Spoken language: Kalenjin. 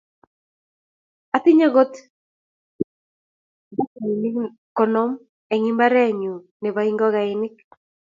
Atinye got neu batainik konom en imbare nyun nebo ingogenik.